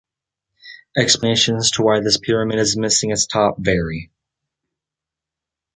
Explanations to why this pyramid is missing its top vary.